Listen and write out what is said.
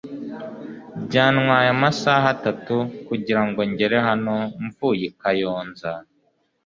Byantwaye amasaha atatu kugirango ngere hano mvuye i Kayonza